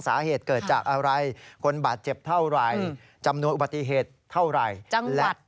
สาเหตุเกิดจากอะไรคนบาดเจ็บเท่าไหร่จำนวนอุบัติเหตุเท่าไหร่